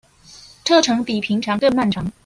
車程比平常更漫長